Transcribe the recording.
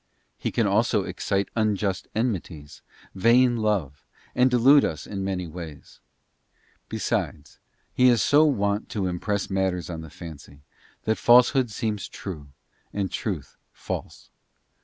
He can also excite unjust enmities, vain love, and delude us in many ways. Besides, he is wont so to impress matters on the fancy, that falsehood seems true, and truth false.